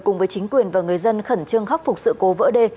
cùng với chính quyền và người dân khẩn trương khắc phục sự cố vỡ đê